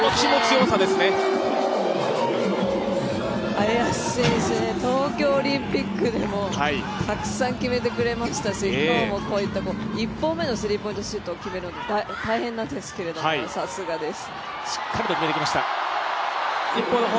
林選手、東京オリンピックでもたくさん決めてくれましたし今日も１本目のスリーポイントシュートを決めるのは、大変なんですがさすがです。